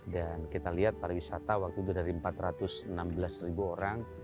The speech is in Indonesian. dan kita lihat pariwisata waktu itu dari empat ratus enam belas ribu orang